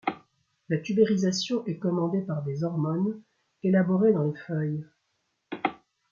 La tubérisation est commandée par des hormones élaborées dans les feuilles.